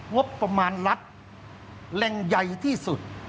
งบประมาณรัฐแรงใหญ่ที่สุด